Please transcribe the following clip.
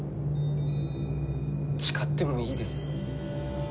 誓ってもいいです。